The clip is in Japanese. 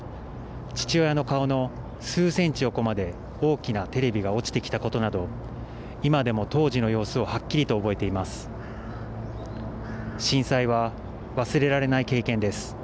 父親の顔の数センチ横まで大きなテレビが落ちたことなど今でも当時の様子をはっきりと覚えています。